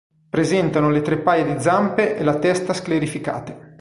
Presentano le tre paia di zampe e la testa sclerificate.